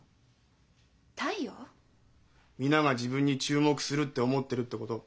皆が自分に注目するって思ってるってこと。